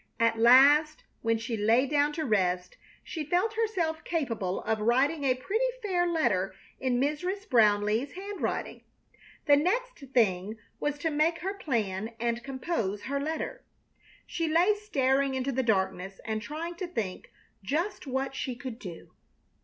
At last, when she lay down to rest, she felt herself capable of writing a pretty fair letter in Mrs. Brownleigh's handwriting. The next thing was to make her plan and compose her letter. She lay staring into the darkness and trying to think just what she could do.